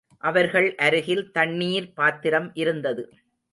அவர்கள் அருகில் தண்ணீர் பாத்திரம் இருந்தது.